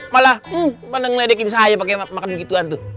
malah mandang ledekin sayap pakai makan begituan tuh